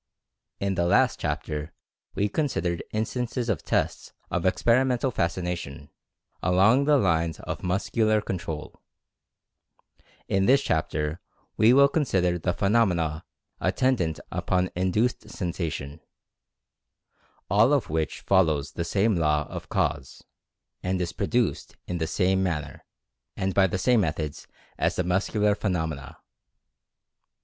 In the last chapter we considered instances of tests of Experimental Fascination, along the lines of Mus cular Control. In this chapter we will consider the phenomena attendant upon Induced Sensation, all of which follows the same law of Cause, and is pro duced in the same manner, and by the same methods as the muscular phenomena.